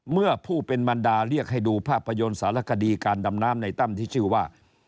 เมื่อผู้เป็นบรรดาเรียกให้ดูภาพยนตร์สารคดีการดำน้ำในตั้มที่ชื่อว่า